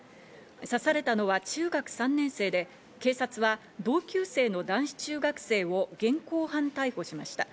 刺されたのは中学３年生で警察は同級生の男子中学生を現行犯逮捕しました。